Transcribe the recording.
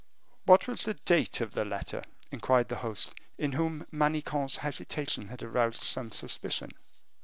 "What was the date of the letter?" inquired the host, in whom Manicamp's hesitation had aroused some suspicion.